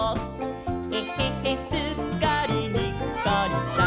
「えへへすっかりにっこりさん！」